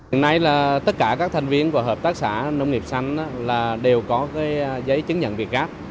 hôm nay là tất cả các thành viên của hợp tác xã nông nghiệp xanh đều có giấy chứng nhận việc gáp